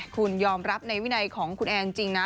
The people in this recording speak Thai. คุณยอมรับในวินัยของคุณแอร์จริงนะ